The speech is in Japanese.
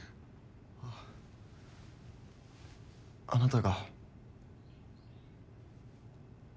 あっあなたが。